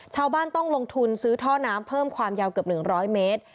ชาวบ้านต้องลงทุนซื้อท่อน้ำเพิ่มความยาวเกือบ๑๐๐เมตร